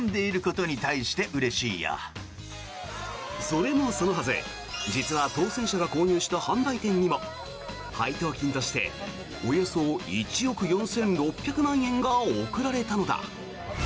それもそのはず実は当選者が購入した販売店にも配当金としておよそ１億４６００万円が贈られたのだ。